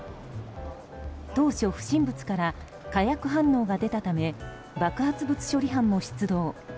当初、不審物から火薬反応が出たため爆発物処理班も出動。